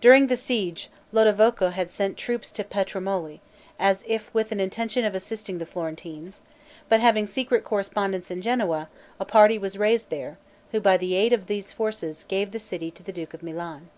During the siege, Lodovico had sent troops to Pontremoli, as if with an intention of assisting the Florentines; but having secret correspondence in Genoa, a party was raised there, who, by the aid of these forces, gave the city to the duke of Milan.